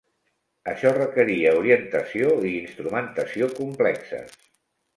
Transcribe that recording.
Això requeria orientació i instrumentació complexes.